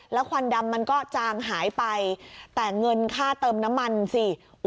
แล้วควันดำมันก็จางหายไปแต่เงินค่าเติมน้ำมันสิ